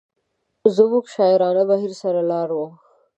زموږ د شاعرانه بهیر سر لاری و.